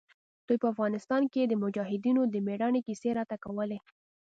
دوى به په افغانستان کښې د مجاهدينو د مېړانې کيسې راته کولې.